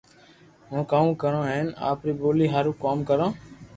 مون ڪرو ھين آپرو ٻولي ھارون ڪوم ڪرو